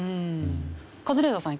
カズレーザーさん